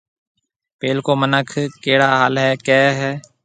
پيلڪو مِنک ڪهيَڙا حال هيَ ڪهيَ هيَ۔